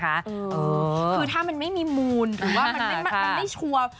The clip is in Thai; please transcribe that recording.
คือถ้ามันไม่มีมูลหรือว่ามันไม่ชัวร์